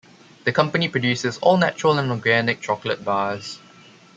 The company produces all-natural and organic chocolate bars.